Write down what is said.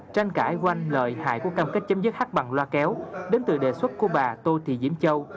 tranh cãi quanh lời hại của cam kết chấm dứt hát bằng loa kéo đến từ đề xuất của bà tô thị diễm châu